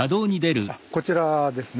こちらですね。